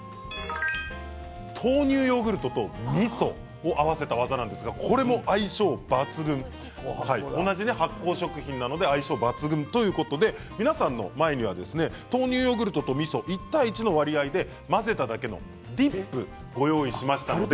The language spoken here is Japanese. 豆乳ヨーグルトとみそを合わせた技なんですけど、これも同じ発酵食品なので相性抜群ということで皆さんの前には豆乳ヨーグルトとみそ１対１の割合で混ぜただけのディップをご用意しました。